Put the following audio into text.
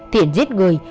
thiện giết người